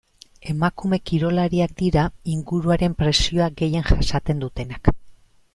Emakume kirolariak dira inguruaren presioa gehien jasaten dutenak.